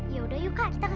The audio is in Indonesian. ya udah yuk kak kita kesana